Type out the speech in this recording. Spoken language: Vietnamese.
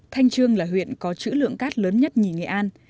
thanh trương là huyện có chữ lượng cát lớn nhất nhì nghệ an